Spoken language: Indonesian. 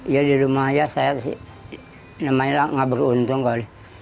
ya di rumah ya saya sih namanya nggak beruntung kali